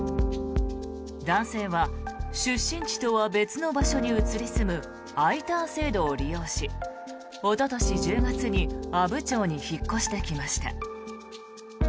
男性は出身地とは別の場所に移り住むＩターン制度を利用しおととし１０月に阿武町に引っ越してきました。